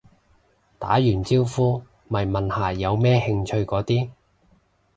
打完招呼咪問下有咩興趣嗰啲